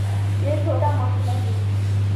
یہ چھوٹا ملک نہیں۔